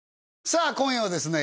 さあ今夜はですね